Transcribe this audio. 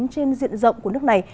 trên diện rộng của nước này